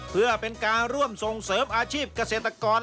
เพื่อเป็นการร่วมส่งเสริมอาชีพเกษตรกร